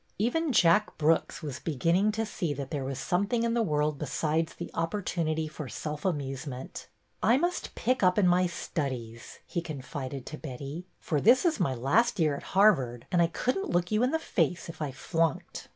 Even Jack Brooks was beginning to see that there was something in the world besides the op portunity for self amusement. I must pick up in my studies," he confided to Betty, '' for this is my last year at Harvard, and I could n't look you in the face if I flunked."